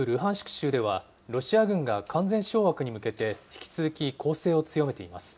州では、ロシア軍が完全掌握に向けて、引き続き攻勢を強めています。